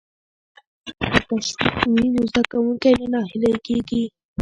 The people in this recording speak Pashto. که تشویق وي نو زده کوونکی نه ناهیلی کیږي.